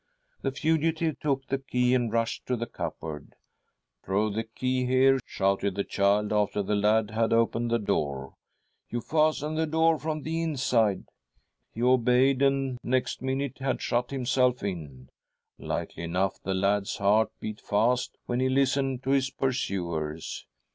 " The fugitive took the key and rushed to the cupboard. ' Throw the key here,' shouted the child, after the lad had opened the door ;' you fasten the door from the inside.' He obeyed, and next minute had shut himself in. Likely enough the lad's heart beat fast when he listened to his pursuers.